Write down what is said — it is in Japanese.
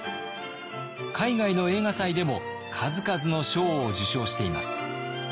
海外の映画祭でも数々の賞を受賞しています。